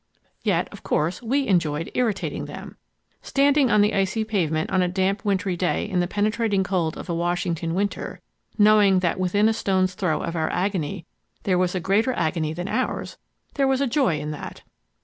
Yet, of course, we enjoyed irritating them. Standing on the icy pavement on a damp, wintry day in the penetrating cold of a Washington winter, knowing that within a stone's throw of our agony there was a greater agony than ours—there was a joy in that!